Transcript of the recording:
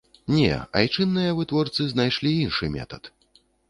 Не, айчынныя вытворцы знайшлі іншы метад.